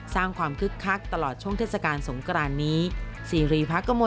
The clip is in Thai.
สร้างความคึกคักตลอดช่วงเทศกาลสงกรานนี้